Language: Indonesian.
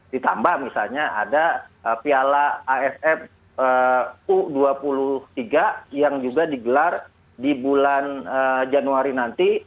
ditambah misalnya ada piala aff u dua puluh tiga yang juga digelar di bulan januari nanti